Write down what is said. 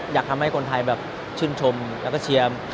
อยากให้คนไทยแบบชื่นชมแล้วก็เชียร์